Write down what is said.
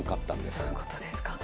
そういうことですか。